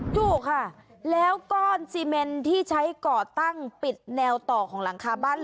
ถูกค่ะแล้วก้อนซีเมนที่ใช้ก่อตั้งปิดแนวต่อของหลังคาบ้าน